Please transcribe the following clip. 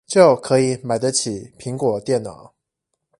就可以買得起蘋果電腦